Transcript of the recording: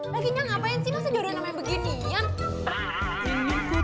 mertua mertua lu kagak sadar apa ya mukilu dikengkong gue